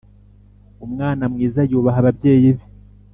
Umwana mwiza yubaha ababyeyi be